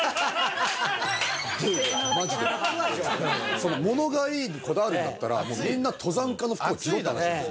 その「物がいい」にこだわるんだったらもうみんな登山家の服を着ろって話ですよ。